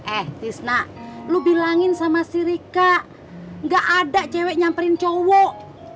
eh tisna lo bilangin sama si rika gak ada cewek nyamperin cowok